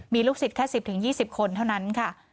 มีลูกศิษย์แค่๑๐๒๐คนเท่านั้นค่ะ